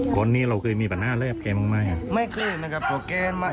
คนนี้เราคือมีแปรน่าเลียบใครมั้ยไม่คือที่มันก็บวกเกณฑ์ไหม